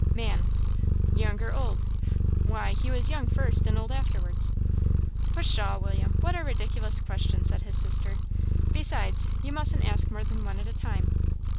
"Man." "Young or old?" "Why, he was young first, and old afterwards." "Pshaw, William! what a ridiculous question," said his sister. "Besides, you mustn't ask more than one at a time.